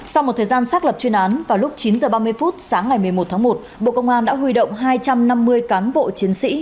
sau một thời gian xác lập chuyên án vào lúc chín h ba mươi phút sáng ngày một mươi một tháng một bộ công an đã huy động hai trăm năm mươi cán bộ chiến sĩ